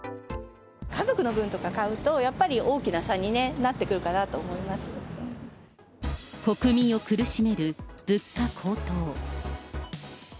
家族の分とか買うと、やっぱり大きな差になってくるかなと思国民を苦しめる物価高騰。